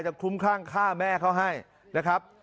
จะคุ้มข้างฆ่าแม่เขาให้นะครับ